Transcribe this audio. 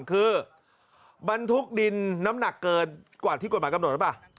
คือบรรทุกดินน้ำหนักเกินกว่าที่กฎหมายกำหนดหรือเปล่า